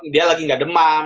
dia lagi nggak demam